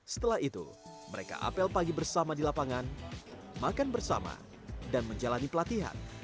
setelah itu mereka apel pagi bersama di lapangan makan bersama dan menjalani pelatihan